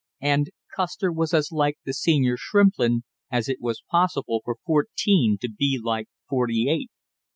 And Custer was as like the senior Shrimplin as it was possible for fourteen to be like forty eight.